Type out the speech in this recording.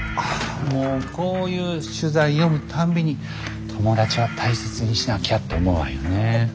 もうこういう取材読むたんびに友達は大切にしなきゃって思うわよね。